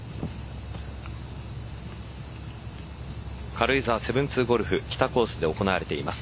軽井沢７２ゴルフ北コースで行われています